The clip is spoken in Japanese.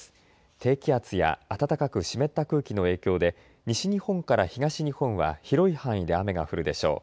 低気圧や暖かく湿った空気の影響で西日本から東日本は広い範囲で雨が降るでしょう。